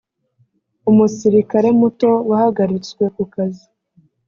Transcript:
umusirikare muto wahagaritswe ku kazi